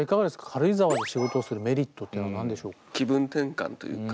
軽井沢で仕事をするメリットっていうのは何でしょう？